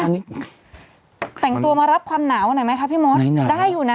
อ่ะแต่งตัวมารับความหนาวไหนไหมครับพี่มศในแหน่งได้อยู่นะ